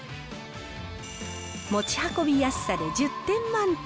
持ち運びやすさで１０点満点。